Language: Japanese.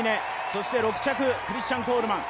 そして６着クリスチャン・コールマン。